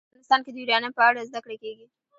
افغانستان کې د یورانیم په اړه زده کړه کېږي.